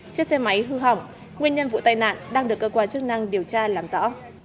chiếc xe máy hư hỏng nguyên nhân vụ tai nạn đang được cơ quan chức năng điều tra làm rõ